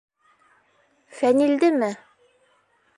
— Фәнилдеме?